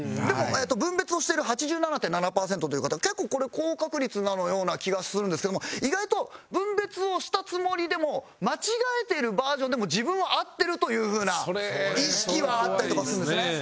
でも分別をしてる８７．７パーセントという方結構これ高確率のような気がするんですけども意外と分別をしたつもりでも間違えてるバージョンでも自分は合ってるというふうな意識はあったりするんですね。